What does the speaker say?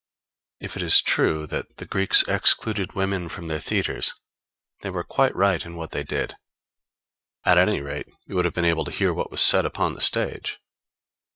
If it is true that the Greeks excluded women from their theatres they were quite right in what they did; at any rate you would have been able to hear what was said upon the stage.